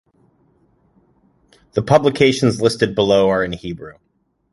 The publications listed below are in Hebrew.